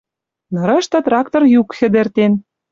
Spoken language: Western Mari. Нырышты трактор юк хӹдӹртен